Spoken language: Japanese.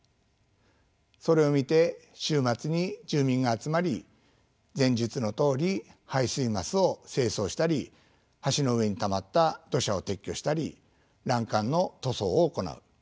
それを見て週末に住民が集まり前述のとおり排水桝を清掃したり橋の上にたまった土砂を撤去したり欄干の塗装を行う。